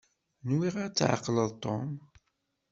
Nwiɣ ad tɛeqleḍ Tom.